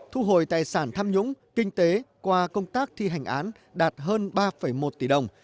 thu hồi tài sản tham nhũng kinh tế qua công tác thi hành án đạt hơn ba một tỷ đồng